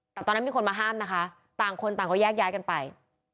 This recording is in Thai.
แต่ตอนนั้นมีคนมาห้ามนะคะต่างคนต่างก็แยกย้ายกันไป